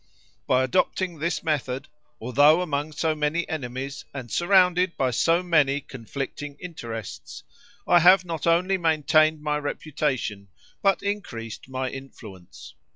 By adopting this method, although among so many enemies, and surrounded by so many conflicting interests, I have not only maintained my reputation but increased my influence.